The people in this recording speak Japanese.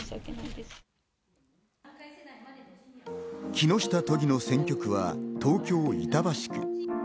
木下都議の選挙区は東京・板橋区。